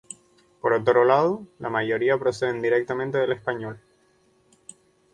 Por otro lado, la mayoría proceden directamente del español.